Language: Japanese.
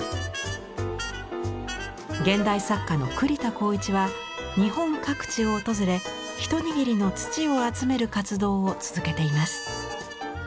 現代作家の栗田宏一は日本各地を訪れ一握りの土を集める活動を続けています。